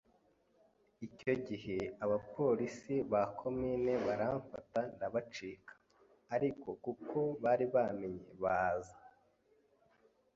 icyo gihe aba porisi ba komini baramfata ndabacika ariko kuko bari bamenye baza